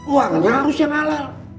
uangnya harus yang halal